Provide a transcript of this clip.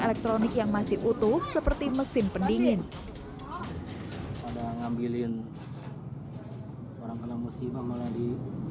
elektronik yang masih utuh seperti mesin pendingin ada ngambilin orang orang musibah malah di